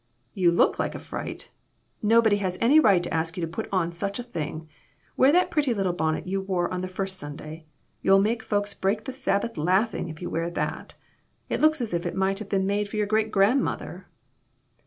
"You look like a fright. Nobody has any right to ask you to put on such a thing. Wear that pretty little bonnet you wore on the first Sun day. You'll make folks break the Sabbath laugh ing at you if you wear that. It looks as if it might have been made for your great grandmother."